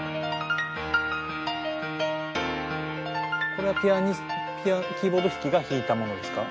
これはピアニストキーボード弾きが弾いたものですか？